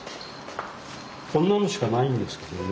こんなのしかないんですけどね。